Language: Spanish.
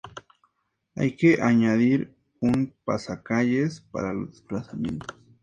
Hay que añadir un Pasacalles para los desplazamientos.